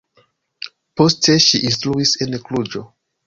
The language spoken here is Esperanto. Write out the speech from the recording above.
Poste ŝi instruis en Kluĵo.